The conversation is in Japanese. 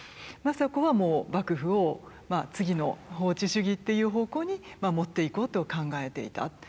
政子はもう幕府を次の法治主義っていう方向に持っていこうと考えていた。